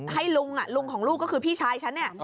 ให้ลุงลุงของลูกก็คือพี่ชายฉันเนี่ย